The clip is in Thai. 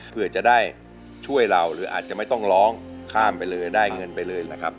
เพื่อจะได้ช่วยเราหรืออาจจะไม่ต้องร้องข้ามไปเลยได้เงินไปเลยนะครับ